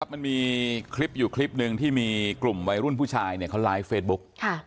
มันมีคลิปอยู่คลิปหนึ่งที่มีกลุ่มวัยรุ่นผู้ชายเขาไลฟ์เฟซบุ๊ก